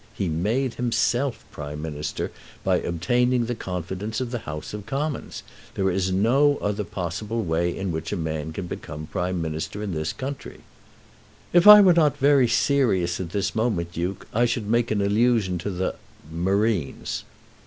He made himself Prime Minister by obtaining the confidence of the House of Commons. There is no other possible way in which a man can become Prime Minister in this country." "If I were not very serious at this moment, Duke, I should make an allusion to the Marines."